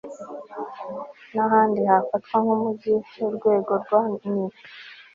n ahandi hafatwa nk umujyi urwego rwa ni